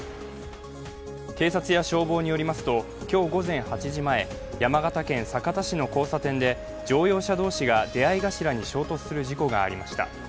警察や消防によりますと今日午前８時前、山形県酒田市の交差点で乗用車同士が出会い頭に衝突する事故がありました。